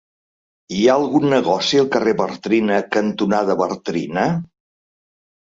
Hi ha algun negoci al carrer Bartrina cantonada Bartrina?